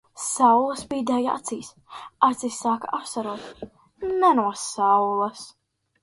Saule spīdēja acīs. Acis sāka asarot. Ne no saules.